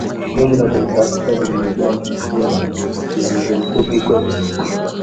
Jukumu la kumtafuta likabaki kuwa kizungumkuti kwetu